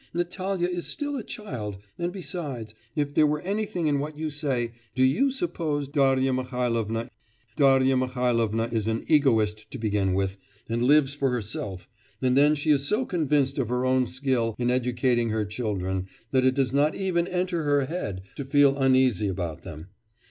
Natalya is still a child; and besides, if there were anything in what you say, do you suppose Darya Mihailovna ' 'Darya Mihailovna is an egoist to begin with, and lives for herself; and then she is so convinced of her own skill in educating her children that it does not even enter her head to feel uneasy about them.